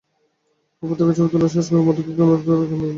ওপর থেকে ছবি তোলা শেষ হলে দম্পতিকে ক্যামেরাটি ধরার অনুরোধ জানান বিষ্ণু।